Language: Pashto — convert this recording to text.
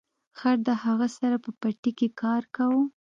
خر د هغه سره په پټي کې کار کاوه.